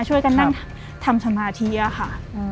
ช่วยกันนั่งทำสมาธิค่ะ